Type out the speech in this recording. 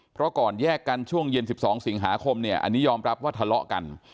เพราะก่อนแยกกันช่วงเย็น๑๒สิงหาคมเนี่ยอันนี้ยอมรับว่าทะเลาะกัน